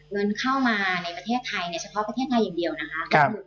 เงินเข้ามาในประเทศไทยเนี่ยเฉพาะประเทศไทยอย่างเดียวนะคะ